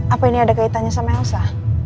apa ini ada kaitannya sama elsa